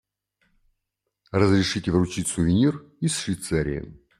Разрешите вручить сувенир из Швейцарии.